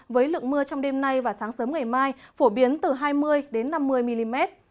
với lượng mưa trong đêm nay và sáng sớm ngày mai phổ biến từ hai mươi năm mươi mm